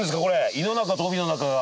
胃の中と帯の中が。